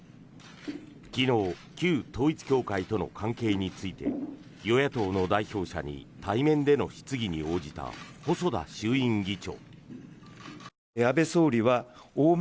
昨日旧統一教会との関係について与野党の代表者に対面での質疑に応じた細田衆院議長。